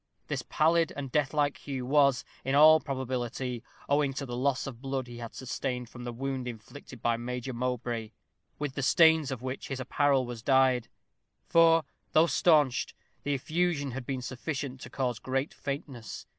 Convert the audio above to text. This pallid and deathlike hue was, in all probability, owing to the loss of blood he had sustained from the wound inflicted by Major Mowbray, with the stains of which his apparel was dyed; for, though staunched, the effusion had been sufficient to cause great faintness.